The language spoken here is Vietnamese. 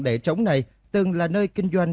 để trống này từng là nơi kinh doanh